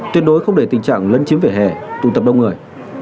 tuyệt đối không để tình trạng lấn chiếm vỉa hè tụ tập đông người